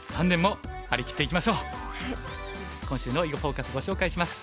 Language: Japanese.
今週の「囲碁フォーカス」ご紹介します。